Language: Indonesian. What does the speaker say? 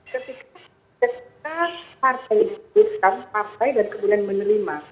ketika partai disebutkan partai dan kemudian menerima